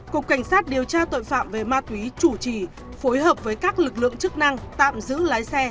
cục cảnh sát điều tra tội phạm về ma túy chủ trì phối hợp với các lực lượng chức năng tạm giữ lái xe